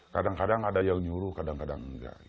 kadang kadang ada yang nyuruh kadang kadang enggak